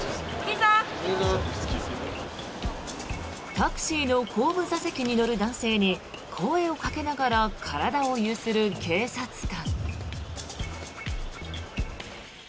タクシーの後部座席に乗る男性に声をかけながら体をゆする警察官。